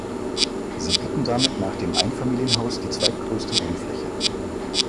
Sie bieten damit nach dem Einfamilienhaus die zweitgrößte Wohnfläche.